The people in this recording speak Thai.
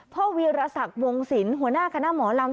พ่อวีรสักวงศิลป์หัวหน้าคณะหมอลำ